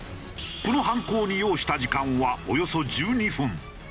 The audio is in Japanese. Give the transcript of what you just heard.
この犯行に要した時間はおよそ１２分。